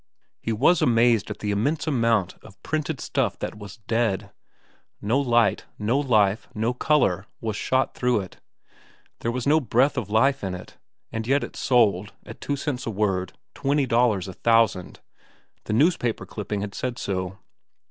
He was amazed at the immense amount of printed stuff that was dead. No light, no life, no color, was shot through it. There was no breath of life in it, and yet it sold, at two cents a word, twenty dollars a thousand—the newspaper clipping had said so.